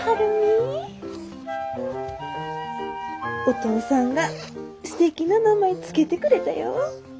お父さんがすてきな名前付けてくれたよ。